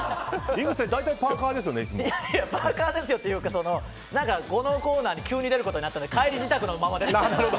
パーカですよというかこのコーナーに急に出ることになったので帰り支度のままで。